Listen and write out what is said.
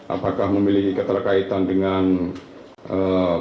apakah memiliki keterkaitan dengan pemerintah